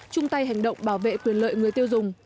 chung tay hành động bảo vệ quyền lợi người tiêu dùng